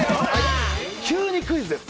急にクイズです。